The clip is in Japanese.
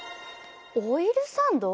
オイルサンド？